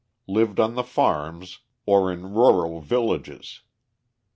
lived on the farms or in rural villages.